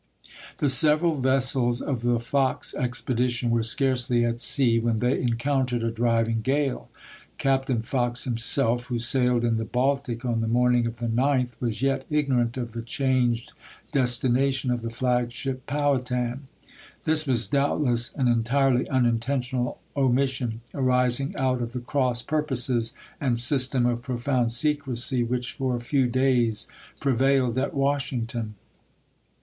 The several vessels of the Fox expedition were scarcely at sea when they encountered a driving gale. Captain Fox himself, who sailed in the Aprn, 1861. Baltic on the morning of the 9th, was yet ignorant of the changed destination of the flag ship Pow hatan. This was doubtless an entirely uninten tional omission, arising out of the cross purposes and system of profound secrecy which for a few days prevailed at Washington.